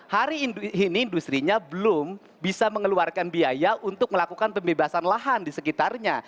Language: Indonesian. hari ini industri nya belum bisa mengeluarkan biaya untuk melakukan pembebasan lahan di sekitarnya